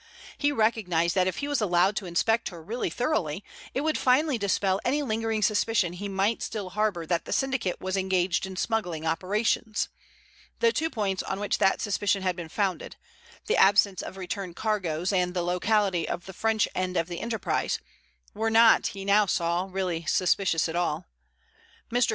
He recognized that if he was allowed to inspect her really thoroughly, it would finally dispel any lingering suspicion he might still harbor that the syndicate was engaged in smuggling operations. The two points on which that suspicion had been founded—the absence of return cargoes and the locality of the French end of the enterprise—were not, he now saw, really suspicious at all. Mr.